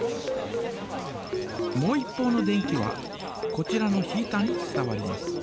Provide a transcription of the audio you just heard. もう一方の電気はこちらのヒータに伝わります。